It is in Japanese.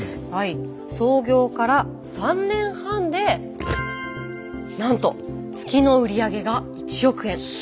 創業から３年半でなんと月の売上が１億円。